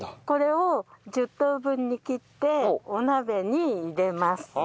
これを１０等分に切ってお鍋に入れます。